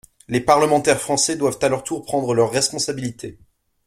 Les parlementaires français doivent à leur tour prendre leurs responsabilités.